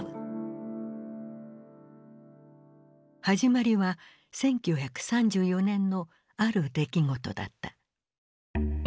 始まりは１９３４年のある出来事だった。